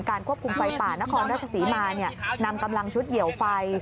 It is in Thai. ควบคุมไฟป่านครราชศรีมานำกำลังชุดเหี่ยวไฟ